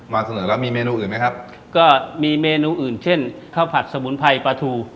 เสนอแล้วมีเมนูอื่นไหมครับก็มีเมนูอื่นเช่นข้าวผัดสมุนไพรปลาทู